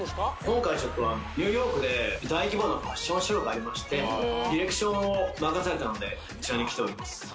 今回ニューヨークで大規模なファッションショーがありましてディレクションを任されたのでこちらに来ております